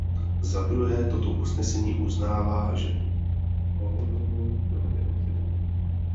Za druhé toto usnesení uznává, že holodomor byl genocidou.